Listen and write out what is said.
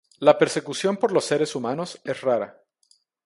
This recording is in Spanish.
La persecución por los seres humanos es rara.